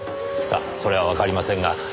さあそれはわかりませんが